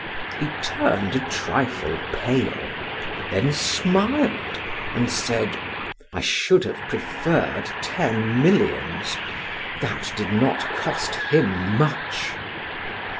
He turned a trifle pale, then smiled, and said: "I should have preferred ten millions. That did not cost him much."